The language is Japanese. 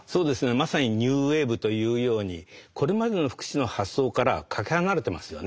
まさにニューウェーブというようにこれまでの福祉の発想からかけ離れてますよね。